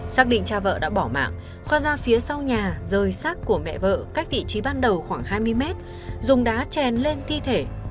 xác định cha vợ đã bỏ mạng khoa ra phía sau nhà rời sát của mẹ vợ cách vị trí ban đầu khoảng hai mươi mét dùng đá trèn lên thi thể